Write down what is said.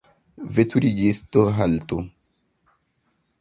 Veturigisto, haltu!